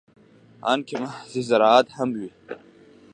ان که محض زراعت هم وي.